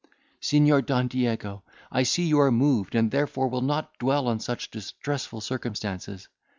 "Signior Don Diego, I see you are moved, and therefore will not dwell on such distressful circumstances.